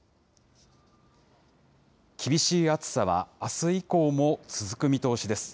厳しい暑さはあす以降も続く見通しです。